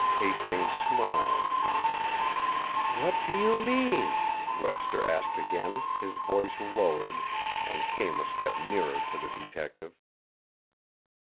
Hastings smiled. "What do you mean?" Webster asked again, his voice lowered, and came a step nearer to the detective.